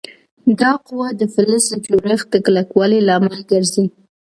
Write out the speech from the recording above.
دا قوه د فلز د جوړښت د کلکوالي لامل ګرځي.